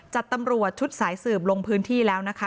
ตำรวจชุดสายสืบลงพื้นที่แล้วนะคะ